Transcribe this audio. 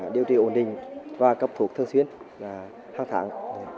điều trị ổn định và cấp thuộc thường xuyên là tháng tháng